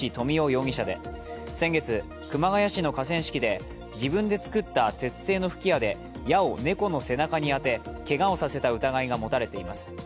容疑者で先月、熊谷市の河川敷で自分で作った鉄製の吹き矢で矢を猫の背中に当て、けがをさせた疑いが持たれています。